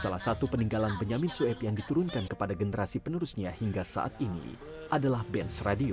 salah satu peninggalan benyamin sueb yang diturunkan kepada generasi penerusnya hingga saat ini adalah benz radio